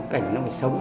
cảnh nó phải sống